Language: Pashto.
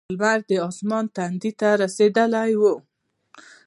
لمر د اسمان تندي ته رسېدلی و.